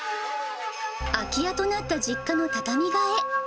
空き家となった実家の畳替え。